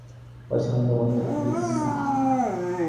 পছন্দমত, পিৎজা।